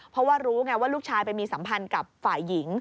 เพราะว่ารู้ไงว่าลูกชายไปมีสัมพันธ์กับฝ่ายหญิง